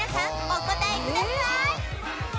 お答えください